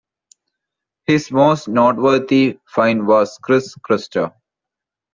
His most noteworthy find was Chris Crutcher.